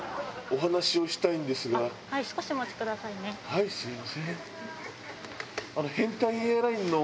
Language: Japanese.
はいすみません。